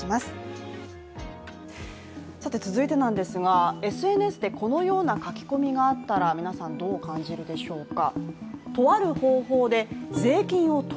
続いて、ＳＮＳでこのような書き込みがあったら皆さん、どう感じるでしょうか。